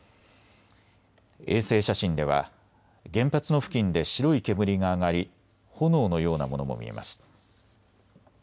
衛星写真では原発の付近で白い煙が上がり炎のようなものも見えます。